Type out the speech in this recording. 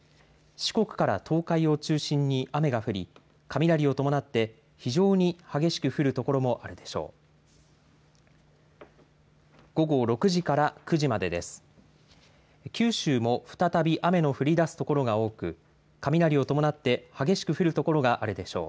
四国から東海を中心に雨が降り雷を伴って非常に激しく降る所もあるでしょう。